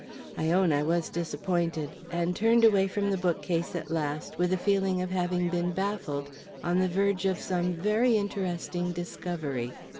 I own I was disappointed, and turned away from the bookcase at last with a feeling of having been baffled on the verge of some very interesting discovery.